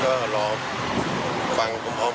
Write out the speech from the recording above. ก็รอฟังคุมภาพกัน